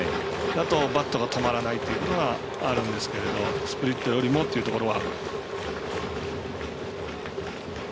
バットが止まらないということがあるんですけどスプリットよりもというところは。